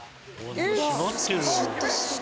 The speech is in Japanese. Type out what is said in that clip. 締まってる。